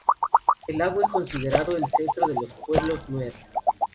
El lago es considerado el centro de los pueblos nuer.